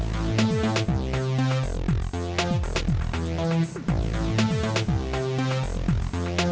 jangan lupa like share subscribe dan subscribe